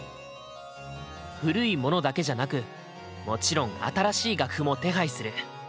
古いものだけじゃなくもちろん新しい楽譜も手配する。